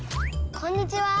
こんにちは。